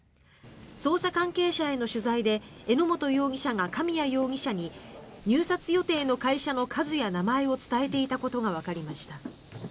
捜査関係者への取材で榎本容疑者が神谷容疑者に入札予定の会社の数や名前を伝えていたことがわかりました。